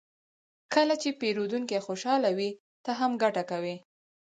کله چې پیرودونکی خوشحال وي، ته هم ګټه کوې.